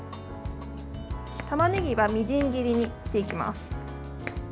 たまねぎはみじん切りにしていきます。